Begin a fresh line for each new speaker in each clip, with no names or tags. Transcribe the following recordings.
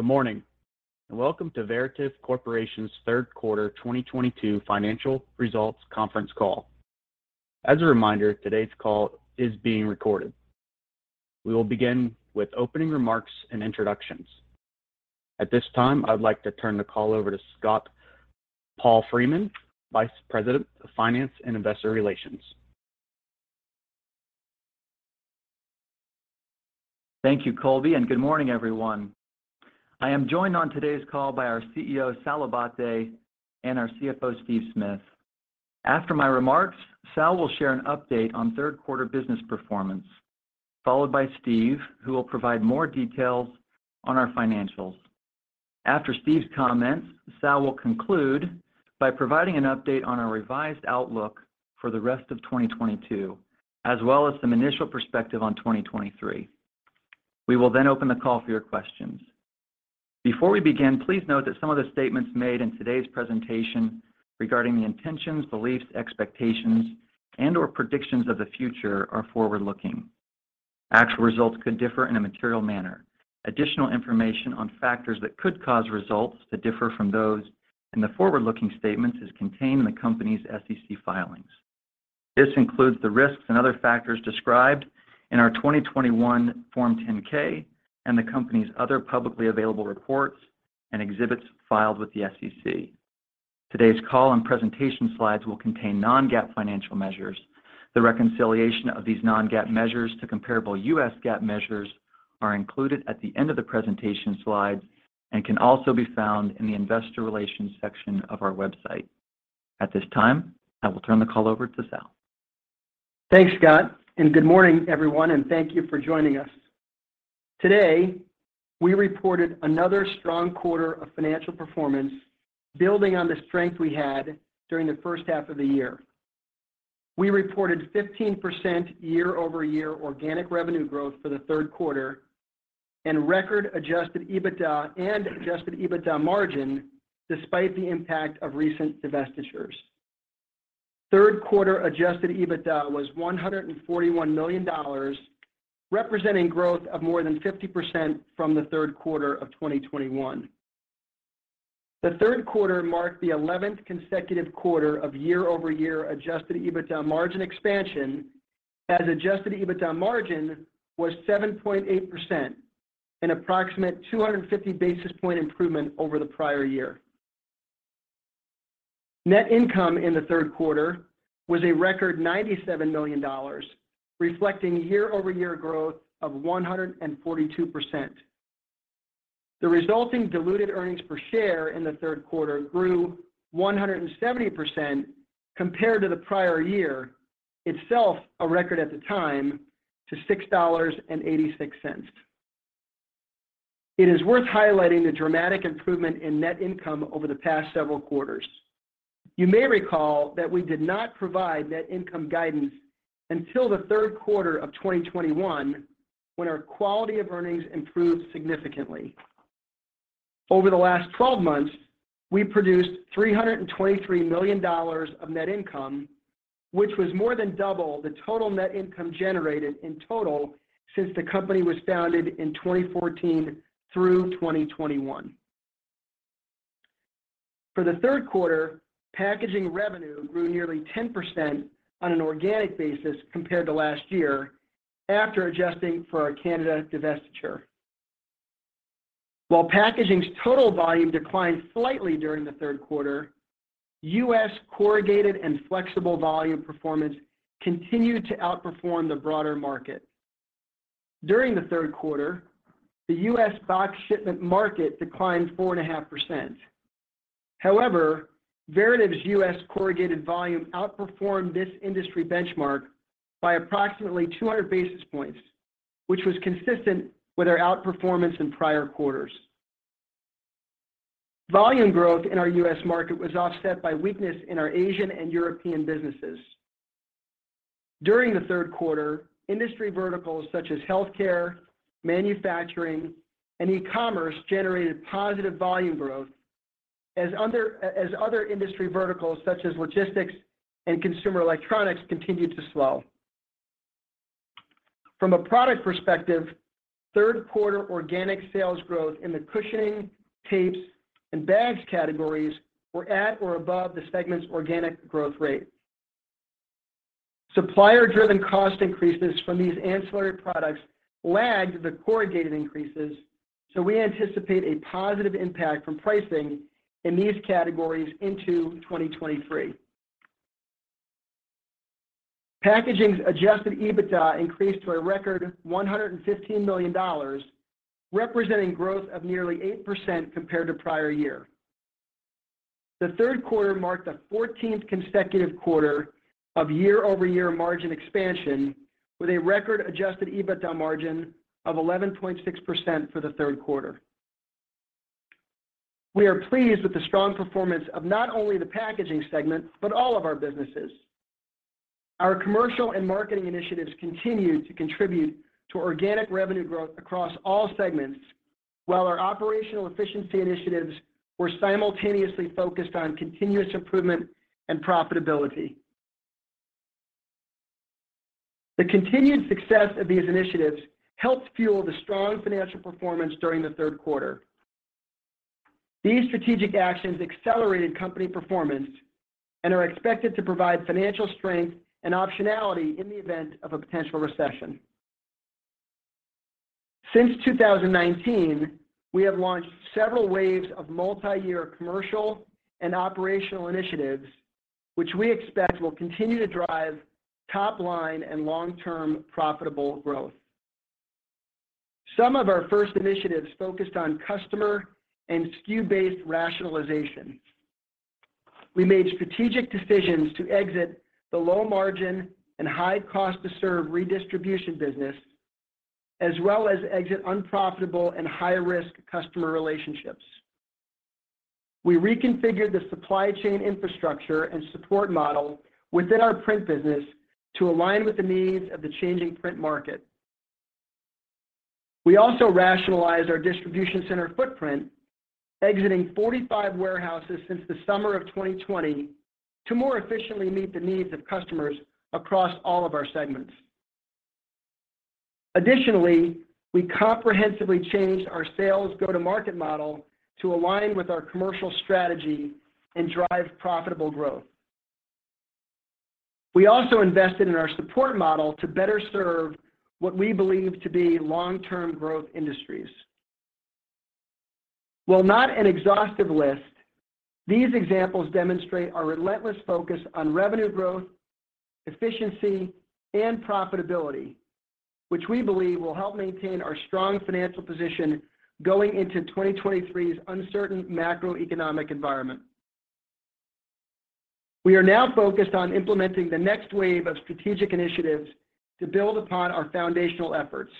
Good morning, and welcome to Veritiv Corporation's third quarter 2022 financial results conference call. As a reminder, today's call is being recorded. We will begin with opening remarks and introductions. At this time, I'd like to turn the call over to Scott Palfreeman, Vice President of Finance and Investor Relations.
Thank you, Colby, and good morning, everyone. I am joined on today's call by our CEO, Sal Abbate, and our CFO, Steve Smith. After my remarks, Sal will share an update on third quarter business performance, followed by Steve, who will provide more details on our financials. After Steve's comments, Sal will conclude by providing an update on our revised outlook for the rest of 2022, as well as some initial perspective on 2023. We will then open the call for your questions. Before we begin, please note that some of the statements made in today's presentation regarding the intentions, beliefs, expectations, and/or predictions of the future are forward-looking. Actual results could differ in a material manner. Additional information on factors that could cause results to differ from those in the forward-looking statements is contained in the company's SEC filings. This includes the risks and other factors described in our 2021 Form 10-K and the company's other publicly available reports and exhibits filed with the SEC. Today's call and presentation slides will contain non-GAAP financial measures. The reconciliation of these non-GAAP measures to comparable US GAAP measures are included at the end of the presentation slides and can also be found in the investor relations section of our website. At this time, I will turn the call over to Sal.
Thanks, Scott, and good morning, everyone, and thank you for joining us. Today, we reported another strong quarter of financial performance building on the strength we had during the first half of the year. We reported 15% year-over-year organic revenue growth for the third quarter and record adjusted EBITDA and adjusted EBITDA margin despite the impact of recent divestitures. Third quarter adjusted EBITDA was $141 million, representing growth of more than 50% from the third quarter of 2021. The third quarter marked the eleventh consecutive quarter of year-over-year adjusted EBITDA margin expansion as adjusted EBITDA margin was 7.8%, an approximate 250 basis point improvement over the prior year. Net income in the third quarter was a record $97 million, reflecting year-over-year growth of 142%. The resulting diluted earnings per share in the third quarter grew 170% compared to the prior year, itself a record at the time, to $6.86. It is worth highlighting the dramatic improvement in net income over the past several quarters. You may recall that we did not provide net income guidance until the third quarter of 2021, when our quality of earnings improved significantly. Over the last 12 months, we produced $323 million of net income, which was more than double the total net income generated in total since the company was founded in 2014 through 2021. For the third quarter, Packaging revenue grew nearly 10% on an organic basis compared to last year after adjusting for our Canada divestiture. While packaging's total volume declined slightly during the third quarter, U.S. corrugated and flexible volume performance continued to outperform the broader market. During the third quarter, the U.S. box shipment market declined 4.5%. However, Veritiv's U.S. corrugated volume outperformed this industry benchmark by approximately 200 basis points, which was consistent with our outperformance in prior quarters. Volume growth in our U.S. market was offset by weakness in our Asian and European businesses. During the third quarter, industry verticals such as healthcare, manufacturing, and e-commerce generated positive volume growth as other industry verticals such as logistics and consumer electronics continued to slow. From a product perspective, third quarter organic sales growth in the cushioning, tapes, and bags categories were at or above the segment's organic growth rate. Supplier-driven cost increases from these ancillary products lagged the corrugated increases, so we anticipate a positive impact from pricing in these categories into 2023. Packaging's Adjusted EBITDA increased to a record $115 million, representing growth of nearly 8% compared to prior year. The third quarter marked the 14th consecutive quarter of year-over-year margin expansion with a record Adjusted EBITDA margin of 11.6% for the third quarter. We are pleased with the strong performance of not only the Packaging segment, but all of our businesses. Our commercial and marketing initiatives continue to contribute to organic revenue growth across all segments, while our operational efficiency initiatives were simultaneously focused on continuous improvement and profitability. The continued success of these initiatives helped fuel the strong financial performance during the third quarter. These strategic actions accelerated company performance and are expected to provide financial strength and optionality in the event of a potential recession. Since 2019, we have launched several waves of multiyear commercial and operational initiatives, which we expect will continue to drive top line and long-term profitable growth. Some of our first initiatives focused on customer and SKU-based rationalization. We made strategic decisions to exit the low margin and high cost to serve redistribution business, as well as exit unprofitable and high-risk customer relationships. We reconfigured the supply chain infrastructure and support model within our print business to align with the needs of the changing print market. We also rationalized our distribution center footprint, exiting 45 warehouses since the summer of 2020 to more efficiently meet the needs of customers across all of our segments. Additionally, we comprehensively changed our sales go-to-market model to align with our commercial strategy and drive profitable growth. We also invested in our support model to better serve what we believe to be long-term growth industries. While not an exhaustive list, these examples demonstrate our relentless focus on revenue growth, efficiency, and profitability, which we believe will help maintain our strong financial position going into 2023's uncertain macroeconomic environment. We are now focused on implementing the next wave of strategic initiatives to build upon our foundational efforts.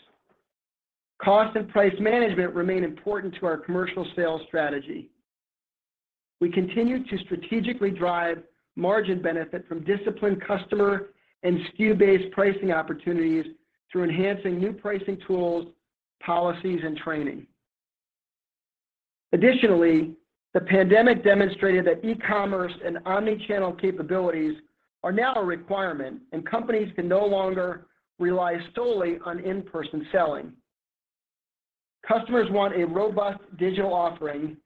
Cost and price management remain important to our commercial sales strategy. We continue to strategically drive margin benefit from disciplined customer and SKU-based pricing opportunities through enhancing new pricing tools, policies, and training. Additionally, the pandemic demonstrated that e-commerce and omnichannel capabilities are now a requirement, and companies can no longer rely solely on in-person selling. Customers want a robust digital offering,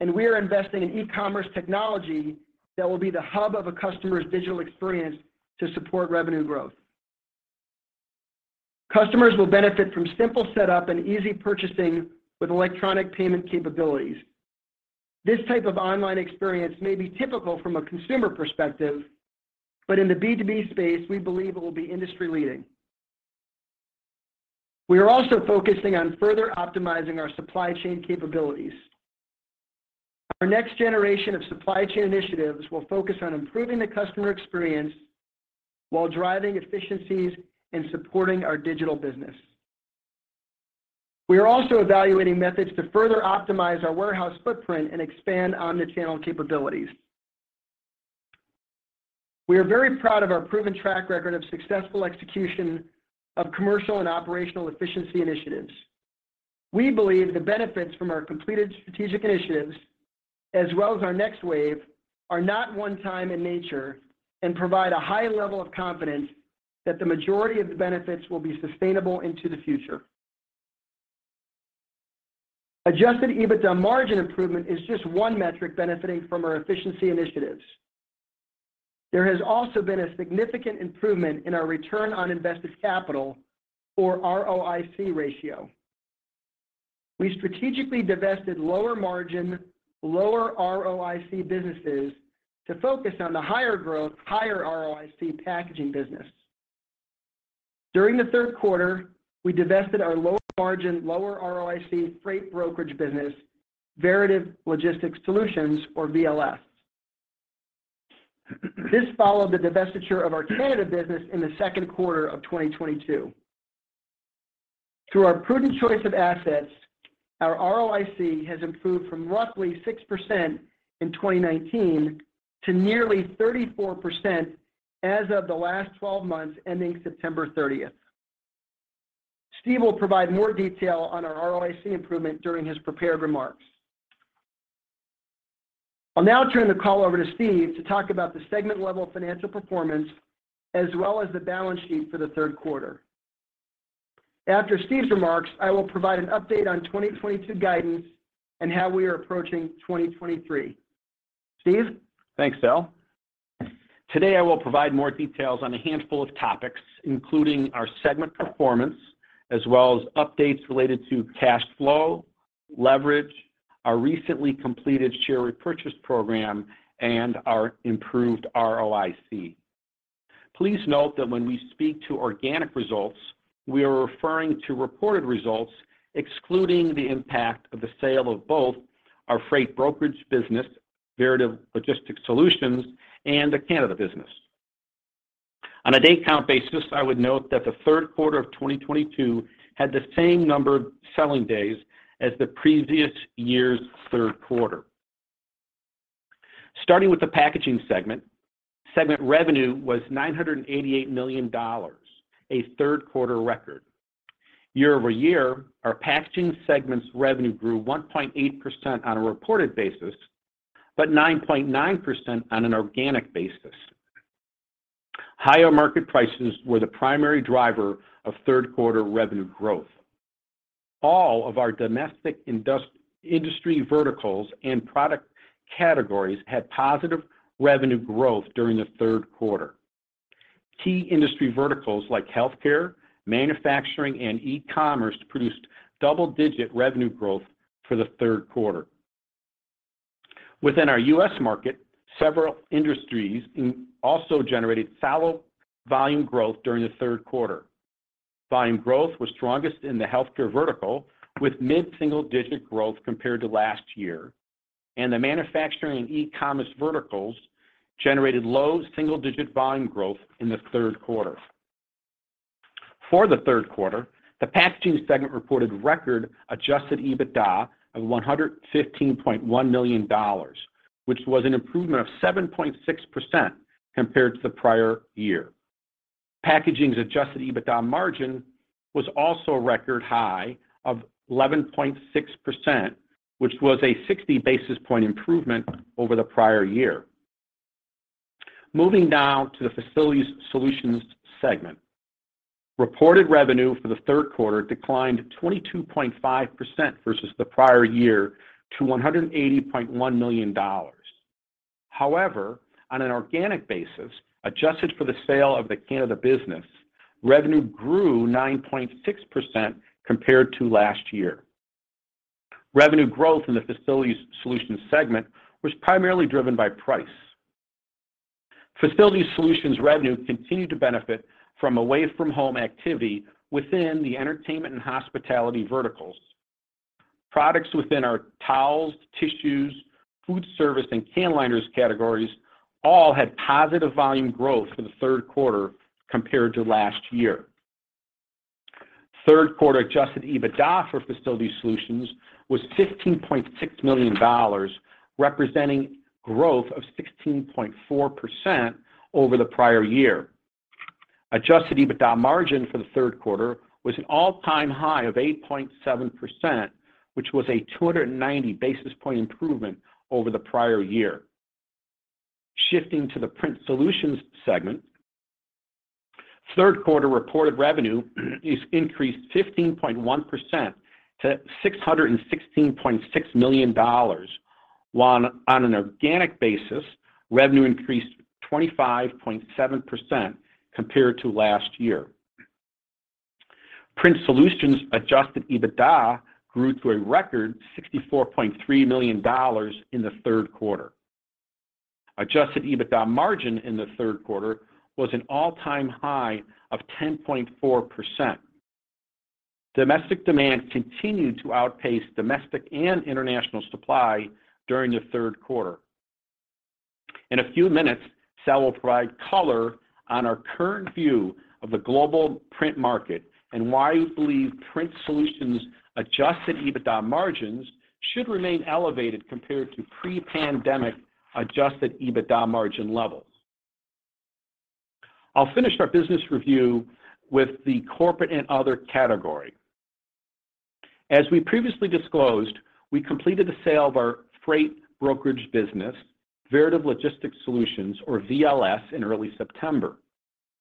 and we are investing in e-commerce technology that will be the hub of a customer's digital experience to support revenue growth. Customers will benefit from simple setup and easy purchasing with electronic payment capabilities. This type of online experience may be typical from a consumer perspective, but in the B2B space, we believe it will be industry-leading. We are also focusing on further optimizing our supply chain capabilities. Our next generation of supply chain initiatives will focus on improving the customer experience while driving efficiencies and supporting our digital business. We are also evaluating methods to further optimize our warehouse footprint and expand omnichannel capabilities. We are very proud of our proven track record of successful execution of commercial and operational efficiency initiatives. We believe the benefits from our completed strategic initiatives, as well as our next wave, are not one time in nature and provide a high level of confidence that the majority of the benefits will be sustainable into the future. Adjusted EBITDA margin improvement is just one metric benefiting from our efficiency initiatives. There has also been a significant improvement in our return on invested capital or ROIC ratio. We strategically divested lower margin, lower ROIC businesses to focus on the higher growth, higher ROIC Packaging business. During the third quarter, we divested our lower margin, lower ROIC freight brokerage business, Veritiv Logistics Solutions or VLS. This followed the divestiture of our Canada business in the second quarter of 2022. Through our prudent choice of assets, our ROIC has improved from roughly 6% in 2019 to nearly 34% as of the last 12 months ending September 30th. Steve will provide more detail on our ROIC improvement during his prepared remarks. I'll now turn the call over to Steve to talk about the segment level financial performance as well as the balance sheet for the third quarter. After Steve's remarks, I will provide an update on 2022 guidance and how we are approaching 2023. Steve?
Thanks, Al. Today, I will provide more details on a handful of topics, including our segment performance, as well as updates related to cash flow, leverage, our recently completed share repurchase program, and our improved ROIC. Please note that when we speak to organic results, we are referring to reported results excluding the impact of the sale of both our freight brokerage business, Veritiv Logistics Solutions, and the Canada business. On a day count basis, I would note that the third quarter of 2022 had the same number of selling days as the previous year's third quarter. Starting with the Packaging segment revenue was $988 million, a third-quarter record. Year-over-year, our Packaging segment's revenue grew 1.8% on a reported basis, but 9.9% on an organic basis. Higher market prices were the primary driver of third quarter revenue growth. All of our domestic industry verticals and product categories had positive revenue growth during the third quarter. Key industry verticals like healthcare, manufacturing, and e-commerce produced double-digit revenue growth for the third quarter. Within our U.S. market, several industries also generated solid volume growth during the third quarter. Volume growth was strongest in the healthcare vertical with mid-single-digit growth compared to last year. The manufacturing and e-commerce verticals generated low single-digit volume growth in the third quarter. For the third quarter, the Packaging segment reported record Adjusted EBITDA of $115.1 million, which was an improvement of 7.6% compared to the prior year. Packaging's Adjusted EBITDA margin was also a record high of 11.6%, which was a 60 basis point improvement over the prior year. Moving now to the Facility Solutions segment. Reported revenue for the third quarter declined 22.5% versus the prior year to $180.1 million. However, on an organic basis, adjusted for the sale of the Canada business, revenue grew 9.6% compared to last year. Revenue growth in the Facility Solutions segment was primarily driven by price. Facility Solutions revenue continued to benefit from away from home activity within the entertainment and hospitality verticals. Products within our towels, tissues, food service, and can liners categories all had positive volume growth in the third quarter compared to last year. Third quarter Adjusted EBITDA for Facility Solutions was $15.6 million, representing growth of 16.4% over the prior year. Adjusted EBITDA margin for the third quarter was an all-time high of 8.7%, which was a 290 basis point improvement over the prior year. Shifting to the Print Solutions segment, third quarter reported revenue increased 15.1% to $616.6 million, while on an organic basis, revenue increased 25.7% compared to last year. Print Solutions adjusted EBITDA grew to a record $64.3 million in the third quarter. Adjusted EBITDA margin in the third quarter was an all-time high of 10.4%. Domestic demand continued to outpace domestic and international supply during the third quarter. In a few minutes, Sal will provide color on our current view of the global print market and why we believe Print Solutions Adjusted EBITDA margins should remain elevated compared to pre-pandemic Adjusted EBITDA margin levels. I'll finish our business review with the corporate and other category. As we previously disclosed, we completed the sale of our freight brokerage business, Veritiv Logistics Solutions, or VLS, in early September.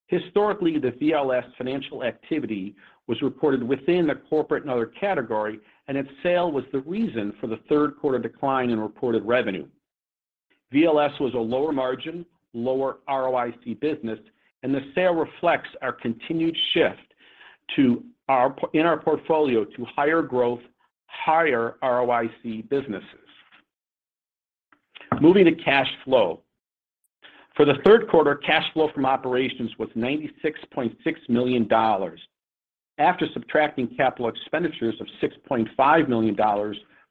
Historically, the VLS financial activity was reported within the corporate and other category, and its sale was the reason for the third quarter decline in reported revenue. VLS was a lower margin, lower ROIC business, and the sale reflects our continued shift in our portfolio to higher growth, higher ROIC businesses. Moving to cash flow. For the third quarter, cash flow from operations was $96.6 million. After subtracting capital expenditures of $6.5 million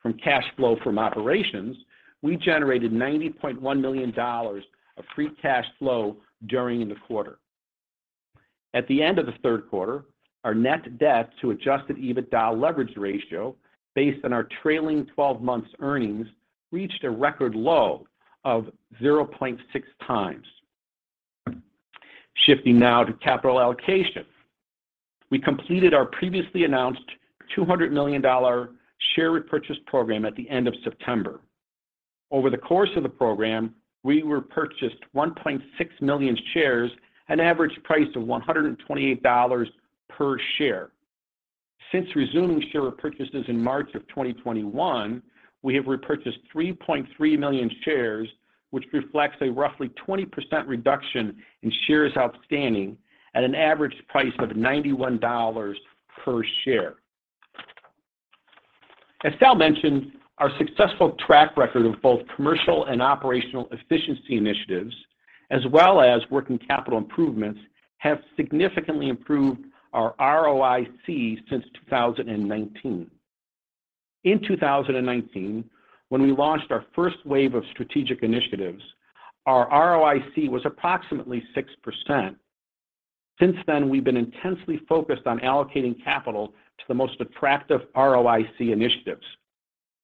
from cash flow from operations, we generated $90.1 million of free cash flow during the quarter. At the end of the third quarter, our net debt to Adjusted EBITDA leverage ratio based on our trailing twelve months earnings reached a record low of 0.6 times. Shifting now to capital allocation. We completed our previously announced $200 million share repurchase program at the end of September. Over the course of the program, we repurchased 1.6 million shares at an average price of $128 per share. Since resuming share repurchases in March of 2021, we have repurchased 3.3 million shares, which reflects a roughly 20% reduction in shares outstanding at an average price of $91 per share. As Sal mentioned, our successful track record of both commercial and operational efficiency initiatives, as well as working capital improvements, have significantly improved our ROIC since 2019. In 2019, when we launched our first wave of strategic initiatives, our ROIC was approximately 6%. Since then, we've been intensely focused on allocating capital to the most attractive ROIC initiatives.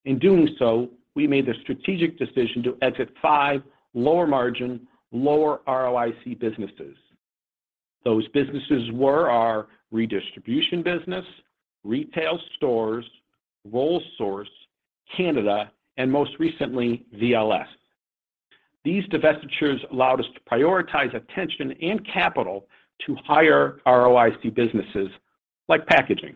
In doing so, we made the strategic decision to exit five lower margin, lower ROIC businesses. Those businesses were our redistribution business, retail stores, Rollsource, Canada, and most recently, VLS. These divestitures allowed us to prioritize attention and capital to higher ROIC businesses like packaging.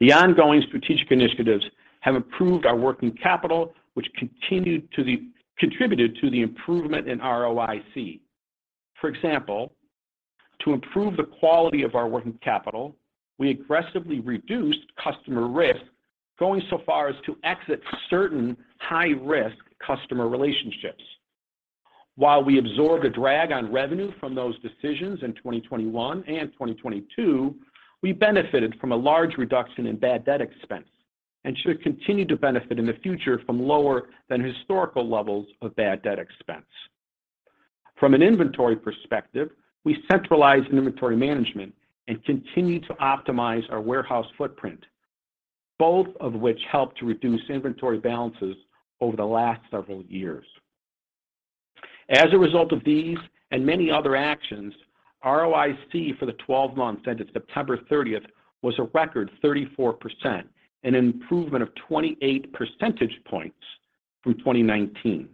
The ongoing strategic initiatives have improved our working capital, which contributed to the improvement in ROIC. For example, to improve the quality of our working capital, we aggressively reduced customer risk, going so far as to exit certain high-risk customer relationships. While we absorbed a drag on revenue from those decisions in 2021 and 2022, we benefited from a large reduction in bad debt expense and should continue to benefit in the future from lower than historical levels of bad debt expense. From an inventory perspective, we centralized inventory management and continued to optimize our warehouse footprint, both of which helped to reduce inventory balances over the last several years. As a result of these and many other actions, ROIC for the twelve months ended September 30th was a record 34%, an improvement of 28 percentage points from 2019.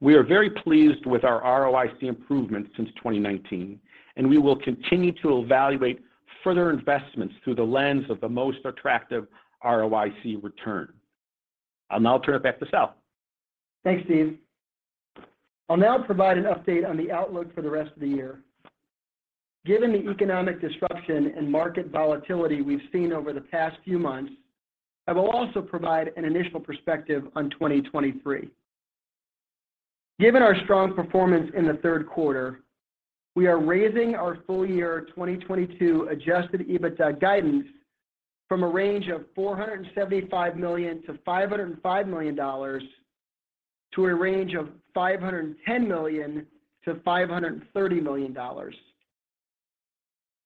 We are very pleased with our ROIC improvement since 2019, and we will continue to evaluate further investments through the lens of the most attractive ROIC return. I'll now turn it back to Sal.
Thanks, Steve. I'll now provide an update on the outlook for the rest of the year. Given the economic disruption and market volatility we've seen over the past few months, I will also provide an initial perspective on 2023. Given our strong performance in the third quarter, we are raising our full year 2022 Adjusted EBITDA guidance from a range of $475 million-$505 million to a range of $510 million-$530 million.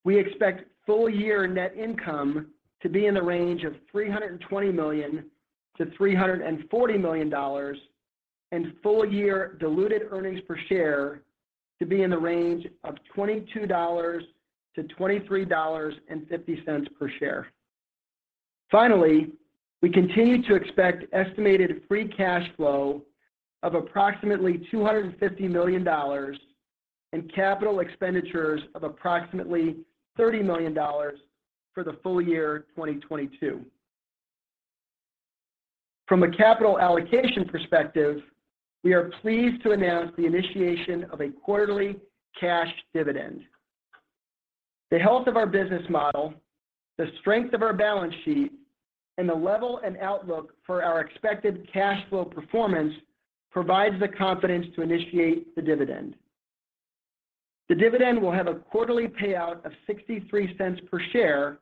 We expect full year net income to be in the range of $320 million-$340 million, and full year diluted earnings per share to be in the range of $22-$23.50 per share. Finally, we continue to expect estimated free cash flow of approximately $250 million and capital expenditures of approximately $30 million for the full year 2022. From a capital allocation perspective, we are pleased to announce the initiation of a quarterly cash dividend. The health of our business model, the strength of our balance sheet, and the level and outlook for our expected cash flow performance provides the confidence to initiate the dividend. The dividend will have a quarterly payout of $0.63 per share,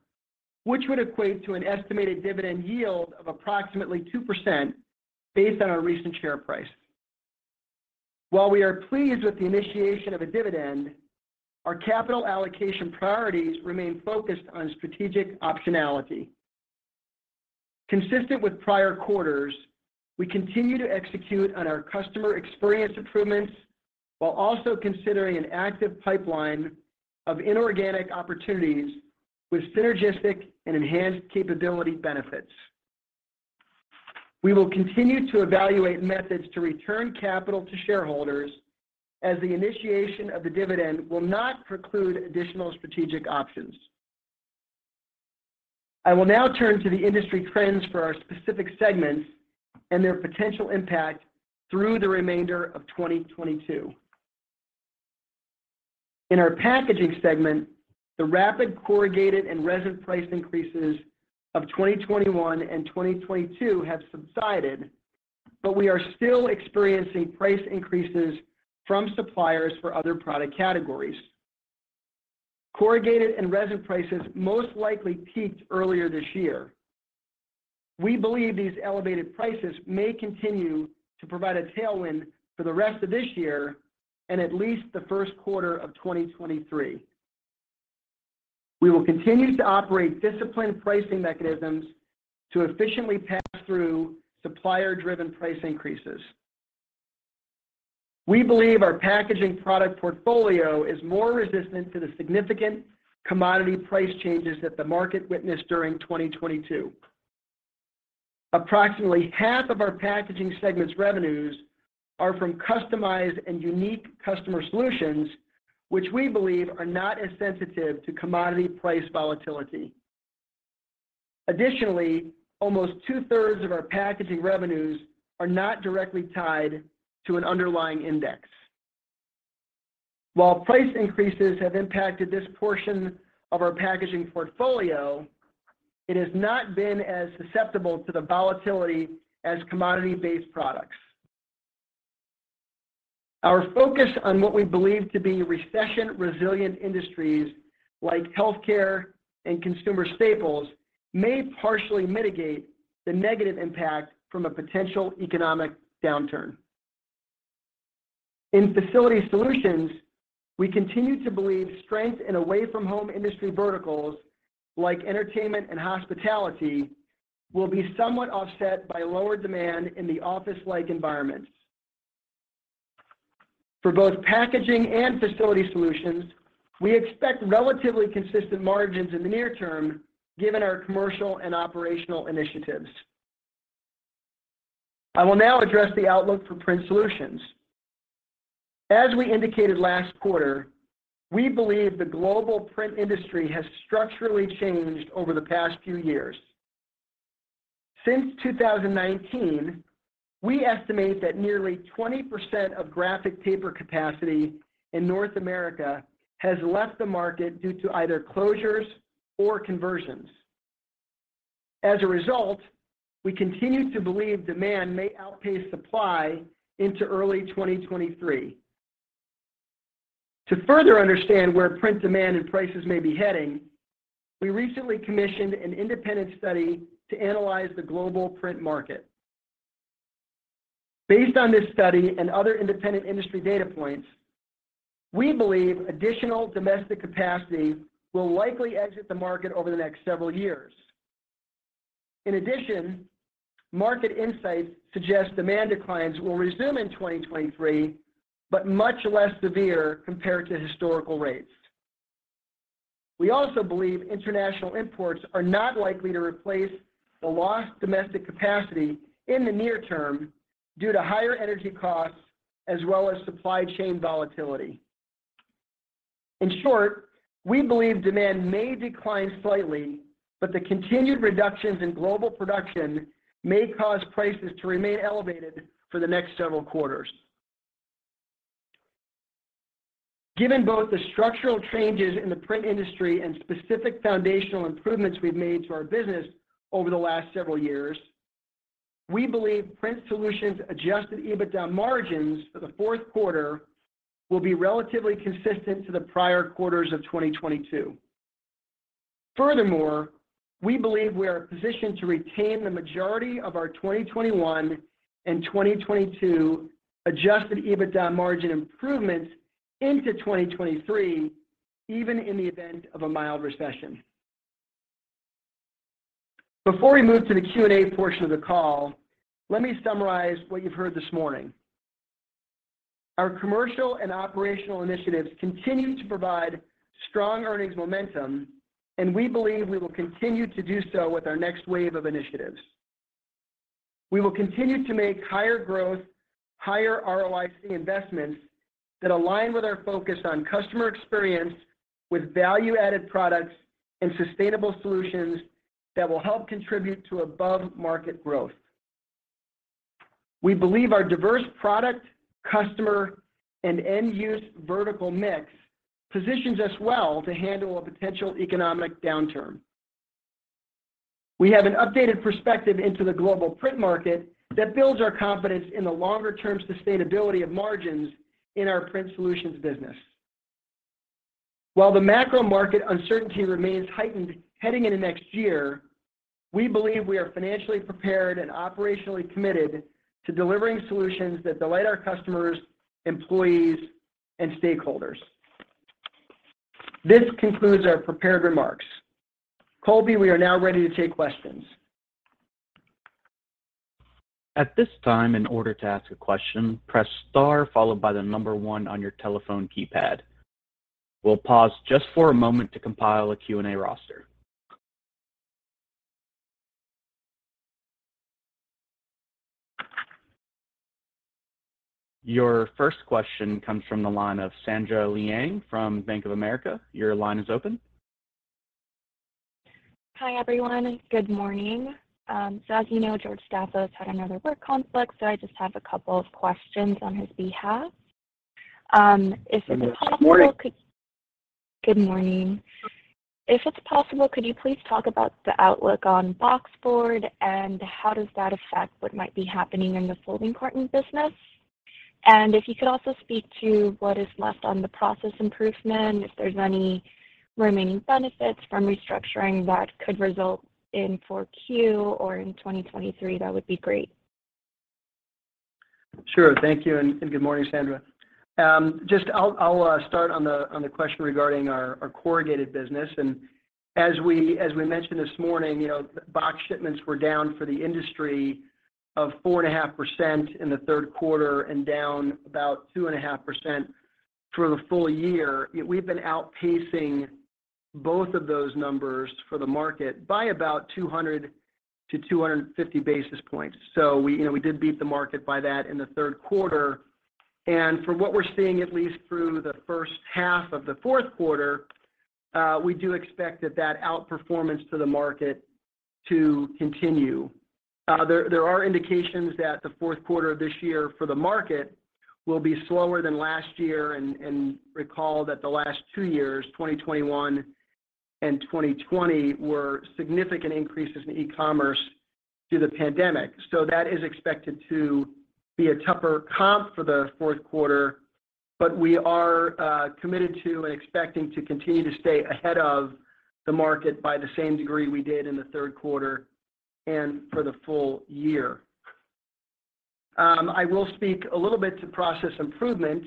which would equate to an estimated dividend yield of approximately 2% based on our recent share price. While we are pleased with the initiation of a dividend, our capital allocation priorities remain focused on strategic optionality. Consistent with prior quarters, we continue to execute on our customer experience improvements while also considering an active pipeline of inorganic opportunities with synergistic and enhanced capability benefits. We will continue to evaluate methods to return capital to shareholders as the initiation of the dividend will not preclude additional strategic options. I will now turn to the industry trends for our specific segments and their potential impact through the remainder of 2022. In our packaging segment, the rapid corrugated and resin price increases of 2021 and 2022 have subsided, but we are still experiencing price increases from suppliers for other product categories. Corrugated and resin prices most likely peaked earlier this year. We believe these elevated prices may continue to provide a tailwind for the rest of this year and at least the first quarter of 2023. We will continue to operate disciplined pricing mechanisms to efficiently pass through supplier-driven price increases. We believe our Packaging product portfolio is more resistant to the significant commodity price changes that the market witnessed during 2022. Approximately half of our Packaging segment's revenues are from customized and unique customer solutions, which we believe are not as sensitive to commodity price volatility. Additionally, almost two-thirds of our Packaging revenues are not directly tied to an underlying index. While price increases have impacted this portion of our Packaging portfolio, it has not been as susceptible to the volatility as commodity-based products. Our focus on what we believe to be recession-resilient industries like healthcare and consumer staples may partially mitigate the negative impact from a potential economic downturn. In Facility Solutions, we continue to believe strength in away-from-home industry verticals like entertainment and hospitality will be somewhat offset by lower demand in the office-like environments. For both Packaging and Facility Solutions, we expect relatively consistent margins in the near term given our commercial and operational initiatives. I will now address the outlook for Print Solutions. As we indicated last quarter, we believe the global print industry has structurally changed over the past few years. Since 2019, we estimate that nearly 20% of graphic paper capacity in North America has left the market due to either closures or conversions. As a result, we continue to believe demand may outpace supply into early 2023. To further understand where print demand and prices may be heading, we recently commissioned an independent study to analyze the global print market. Based on this study and other independent industry data points, we believe additional domestic capacity will likely exit the market over the next several years. In addition, market insights suggest demand declines will resume in 2023, but much less severe compared to historical rates. We also believe international imports are not likely to replace the lost domestic capacity in the near term due to higher energy costs as well as supply chain volatility. In short, we believe demand may decline slightly, but the continued reductions in global production may cause prices to remain elevated for the next several quarters. Given both the structural changes in the print industry and specific foundational improvements we've made to our business over the last several years, we believe Print Solutions Adjusted EBITDA margins for the fourth quarter will be relatively consistent to the prior quarters of 2022. Furthermore, we believe we are positioned to retain the majority of our 2021 and 2022 Adjusted EBITDA margin improvements into 2023, even in the event of a mild recession. Before we move to the Q&A portion of the call, let me summarize what you've heard this morning. Our commercial and operational initiatives continue to provide strong earnings momentum, and we believe we will continue to do so with our next wave of initiatives. We will continue to make higher growth, higher ROIC investments that align with our focus on customer experience with value-added products and sustainable solutions that will help contribute to above-market growth. We believe our diverse product, customer, and end-use vertical mix positions us well to handle a potential economic downturn. We have an updated perspective into the global print market that builds our confidence in the longer-term sustainability of margins in our Print Solutions business. While the macro market uncertainty remains heightened heading into next year, we believe we are financially prepared and operationally committed to delivering solutions that delight our customers, employees, and stakeholders. This concludes our prepared remarks. Colby, we are now ready to take questions.
At this time, in order to ask a question, press star followed by the number one on your telephone keypad. We'll pause just for a moment to compile a Q&A roster. Your first question comes from the line of Sandra Liang from Bank of America. Your line is open.
Hi, everyone. Good morning. As you know, George Staphos had another work conflict, so I just have a couple of questions on his behalf. If it's possible-
Good morning.
Good morning. If it's possible, could you please talk about the outlook on boxboard, and how does that affect what might be happening in the folding carton business? If you could also speak to what is left on the process improvement, if there's any remaining benefits from restructuring that could result in 4Q or in 2023, that would be great.
Sure. Thank you, and good morning, Sandra. Just I'll start on the question regarding our corrugated business. As we mentioned this morning, you know, box shipments were down for the industry of 4.5% in the third quarter and down about 2.5% for the full year. We've been outpacing both of those numbers for the market by about 200-250 basis points. We, you know, did beat the market by that in the third quarter. From what we're seeing, at least through the first half of the fourth quarter, we do expect that outperformance to the market to continue. There are indications that the fourth quarter of this year for the market will be slower than last year. Recall that the last two years, 2021 and 2020, were significant increases in e-commerce due to the pandemic. That is expected to be a tougher comp for the fourth quarter, but we are committed to and expecting to continue to stay ahead of the market by the same degree we did in the third quarter. For the full year. I will speak a little bit to process improvement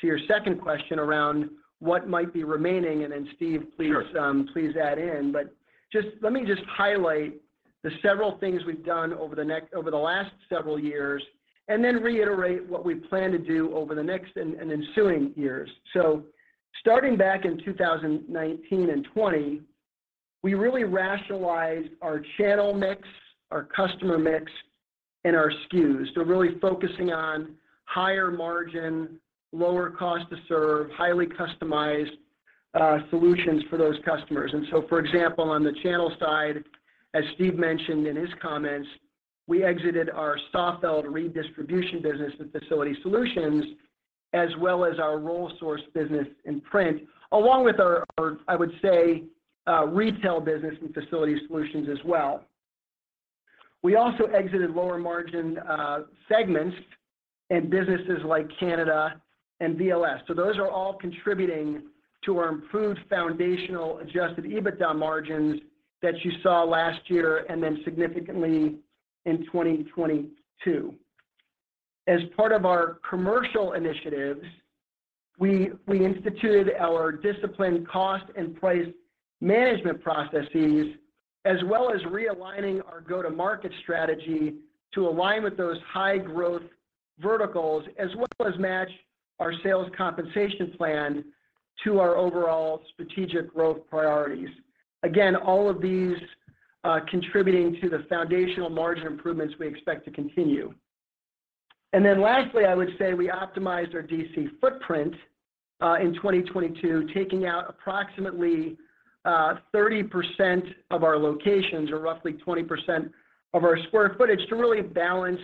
to your second question around what might be remaining, and then Steve-
Sure.
Let me just highlight the several things we've done over the last several years, and then reiterate what we plan to do over the next and ensuing years. Starting back in 2019 and 2020, we really rationalized our channel mix, our customer mix, and our SKUs. Really focusing on higher margin, lower cost to serve, highly customized solutions for those customers. For example, on the channel side, as Steve mentioned in his comments, we exited our Saalfeld redistribution business with Facility Solutions, as well as our Rollsource business in Print, along with our I would say retail business and Facility Solutions as well. We also exited lower margin segments in businesses like Canada and VLS. Those are all contributing to our improved foundational Adjusted EBITDA margins that you saw last year and then significantly in 2022. As part of our commercial initiatives, we instituted our disciplined cost and price management processes, as well as realigning our go-to-market strategy to align with those high-growth verticals, as well as match our sales compensation plan to our overall strategic growth priorities. Again, all of these contributing to the foundational margin improvements we expect to continue. Then lastly, I would say we optimized our DC footprint in 2022, taking out approximately 30% of our locations, or roughly 20% of our square footage to really balance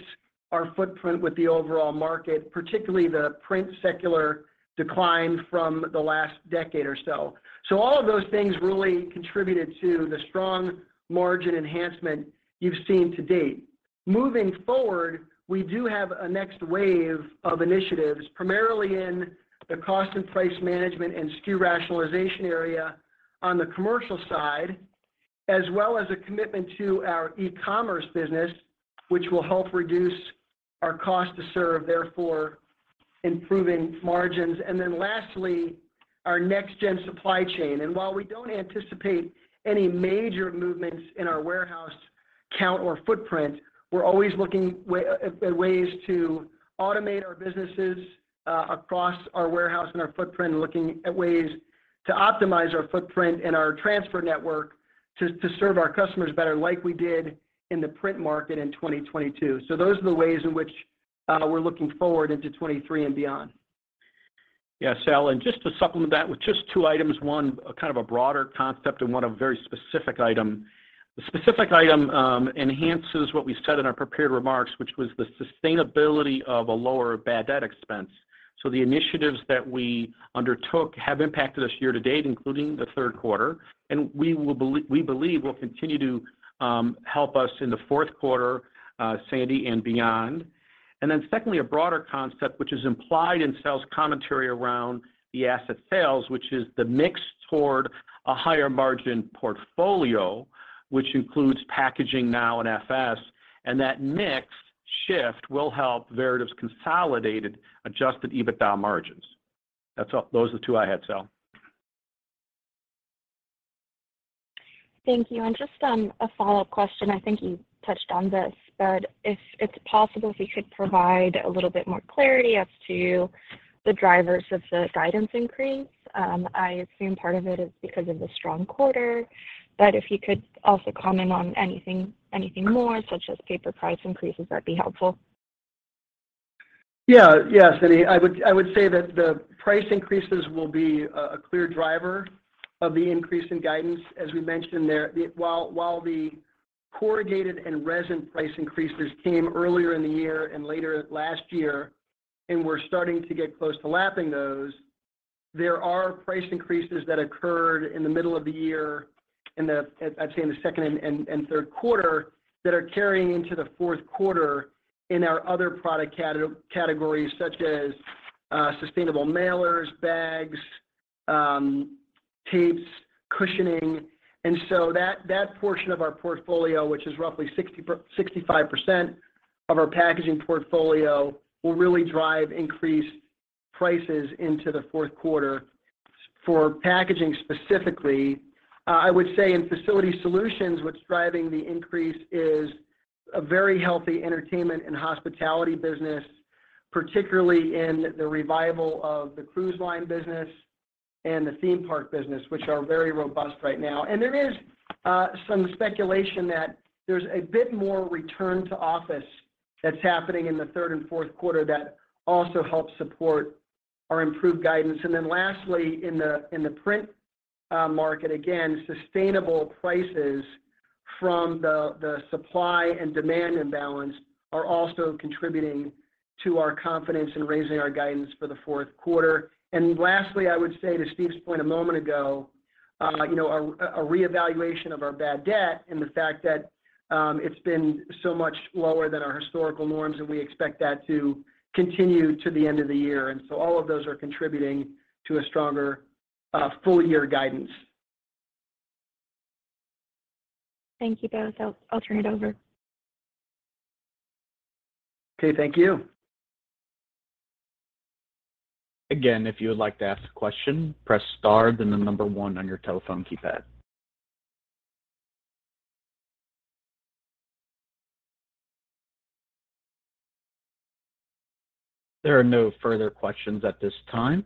our footprint with the overall market, particularly the print secular decline from the last decade or so. All of those things really contributed to the strong margin enhancement you've seen to date. Moving forward, we do have a next wave of initiatives, primarily in the cost and price management and SKU rationalization area on the commercial side, as well as a commitment to our e-commerce business, which will help reduce our cost to serve, therefore improving margins. Lastly, our next gen supply chain. While we don't anticipate any major movements in our warehouse count or footprint, we're always looking at ways to automate our businesses across our warehouse and our footprint, and looking at ways to optimize our footprint and our transfer network to serve our customers better like we did in the print market in 2022. Those are the ways in which we're looking forward into 2023 and beyond.
Yeah, Sal, just to supplement that with just two items. One, kind of a broader concept, and one, a very specific item. The specific item enhances what we said in our prepared remarks, which was the sustainability of a lower bad debt expense. The initiatives that we undertook have impacted us year to date, including the third quarter, and we believe will continue to help us in the fourth quarter, Sandy, and beyond. Then secondly, a broader concept, which is implied in Sal's commentary around the asset sales, which is the mix toward a higher margin portfolio, which includes Packaging now and FS. That mix shift will help Veritiv's consolidated Adjusted EBITDA margins. That's all. Those are the two I had, Sal.
Thank you. Just a follow-up question. I think you touched on this, but if it's possible, if you could provide a little bit more clarity as to the drivers of the guidance increase. I assume part of it is because of the strong quarter, but if you could also comment on anything more, such as paper price increases, that'd be helpful.
Yeah. Yeah, Sandy. I would say that the price increases will be a clear driver of the increase in guidance. As we mentioned there, while the corrugated and resin price increases came earlier in the year and later last year, and we're starting to get close to lapping those, there are price increases that occurred in the middle of the year at say in the second and third quarter that are carrying into the fourth quarter in our other product categories such as sustainable mailers, bags, tapes, cushioning. That portion of our portfolio, which is roughly 65% of our packaging portfolio, will really drive increased prices into the fourth quarter. For packaging specifically, I would say in Facility Solutions, what's driving the increase is a very healthy entertainment and hospitality business, particularly in the revival of the cruise line business and the theme park business, which are very robust right now. There is some speculation that there's a bit more return to office that's happening in the third and fourth quarter that also helps support our improved guidance. Then lastly, in the print market, again, sustainable prices from the supply and demand imbalance are also contributing to our confidence in raising our guidance for the fourth quarter. Lastly, I would say to Steve's point a moment ago, you know, a reevaluation of our bad debt and the fact that it's been so much lower than our historical norms, and we expect that to continue to the end of the year. All of those are contributing to a stronger full year guidance.
Thank you, guys. I'll turn it over.
Okay. Thank you.
Again, if you would like to ask a question, press star, then the number one on your telephone keypad. There are no further questions at this time.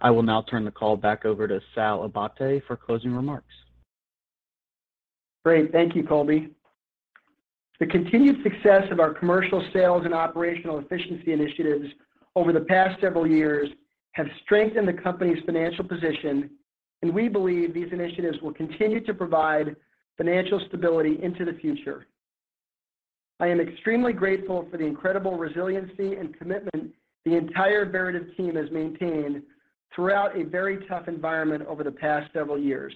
I will now turn the call back over to Sal Abbate for closing remarks.
Great. Thank you, Colby. The continued success of our commercial sales and operational efficiency initiatives over the past several years have strengthened the company's financial position, and we believe these initiatives will continue to provide financial stability into the future. I am extremely grateful for the incredible resiliency and commitment the entire Veritiv team has maintained throughout a very tough environment over the past several years.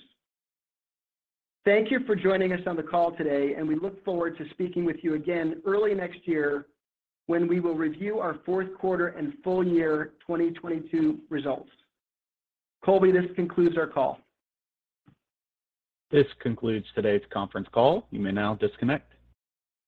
Thank you for joining us on the call today, and we look forward to speaking with you again early next year when we will review our fourth quarter and full year 2022 results. Colby, this concludes our call.
This concludes today's conference call. You may now disconnect.